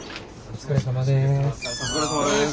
お疲れさまです。